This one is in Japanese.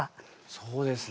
そうですね。